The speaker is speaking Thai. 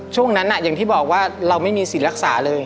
ช่วงนั้นอย่างที่บอกว่าเราไม่มีสิทธิ์รักษาเลย